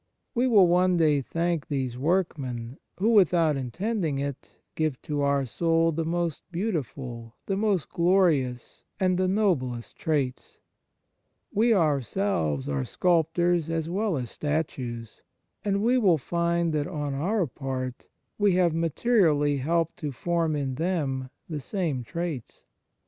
We will one day thank these workmen, who, without intending it, give to our soul the most beautiful, the most glorious, and the noblest traits. We ourselves are sculptors as well as statues, and we will find that, on our part, we have materially helped to form in them the same traits.